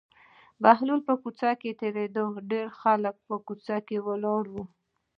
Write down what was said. بهلول په کوڅه کې تېرېده ډېر خلک په کوڅه کې ولاړ وو.